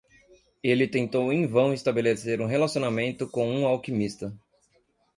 Ele tentou em vão estabelecer um relacionamento com um alquimista.